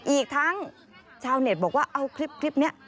อีกทั้งชาวเน็ตบอกว่าเอาคลิปนี้